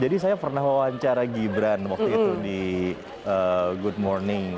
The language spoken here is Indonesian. jadi saya pernah wawancara gibran waktu itu di good morning